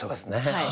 はい。